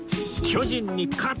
巨人に喝！